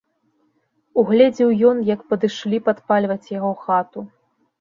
Угледзеў ён, як падышлі падпальваць яго хату.